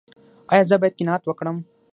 ایا زه باید قناعت وکړم؟